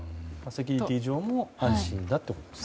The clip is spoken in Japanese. セキュリティー上も安心ということですね。